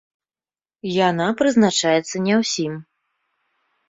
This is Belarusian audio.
Яна прызначаецца не ўсім.